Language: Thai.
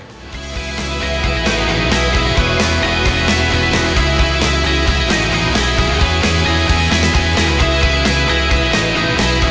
โปรดติดตามตอนต่อไป